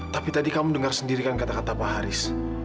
tapi tadi kamu dengar sendiri kan kata kata pak haris